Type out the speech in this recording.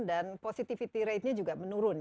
dan positivity ratenya juga menurun